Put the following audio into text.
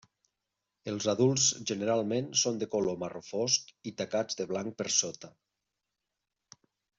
Els adults generalment són de color marró fosc i tacats de blanc per sota.